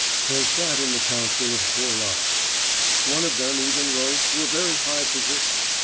They sat in the Council of Boyars. One of them even rose to a very high position.